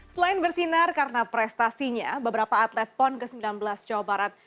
selain bersinar karena prestasinya beberapa atlet pon ke sembilan belas jawa barat